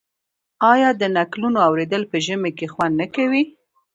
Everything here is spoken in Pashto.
آیا د نکلونو اوریدل په ژمي کې خوند نه کوي؟